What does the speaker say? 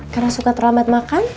karena suka terlambat makan